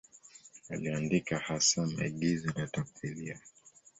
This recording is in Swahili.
Aliandika hasa maigizo na tamthiliya.